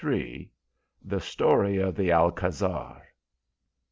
THE STORY OF THE ALCÁZAR.